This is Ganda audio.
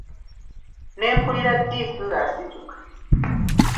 Ne mpulira Dick ng'asituka.